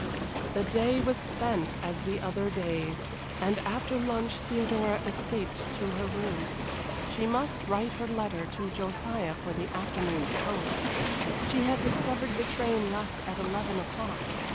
The day was spent as the other days, and after lunch Theodora escaped to her room. She must write her letter to Josiah for the afternoon's post. She had discovered the train left at eleven o'clock.